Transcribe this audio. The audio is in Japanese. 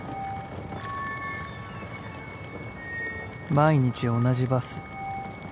・［毎日同じバス。